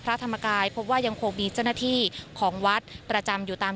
พระธรรมกายพบว่ายังโคกบีจนทีของวัดประจำอยู่ตาม